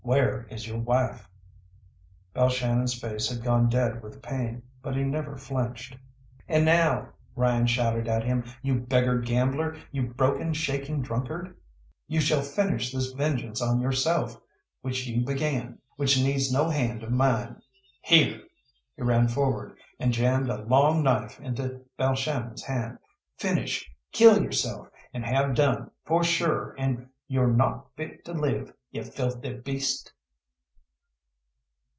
Where is your wife?" Balshannon's face had gone dead with pain, but he never flinched. "And now," Ryan shouted at him, "you beggared gambler, you broken, shaking drunkard, you shall finish this vengeance on yourself, which you began, which needs no hand of mine! Here!" He ran forward, and jammed a long knife into Balshannon's hand. "Finish! Kill yourself, and have done, for shure an' you're not fit to live, ye filthy beast!"